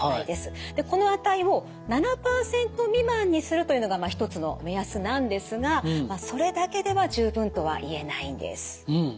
でこの値を７％未満にするというのが一つの目安なんですがそれだけでは十分とは言えないんです。